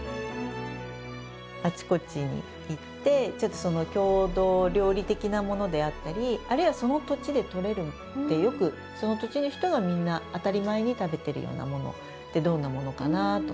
あちこちに行ってちょっと郷土料理的なものであったりあるいはその土地でとれるよくその土地の人がみんな当たり前に食べてるようなものってどんなものかな？とか。